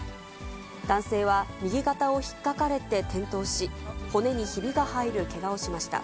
男性は右肩をひっかかれて転倒し、骨にひびが入るけがをしました。